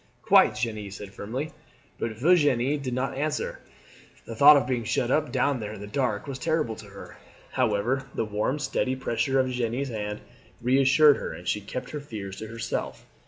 "Quite," Jeanne said firmly, but Virginie did not answer; the thought of being shut up down there in the dark was terrible to her. However, the warm, steady pressure of Jeanne's hand reassured her, and she kept her fears to herself.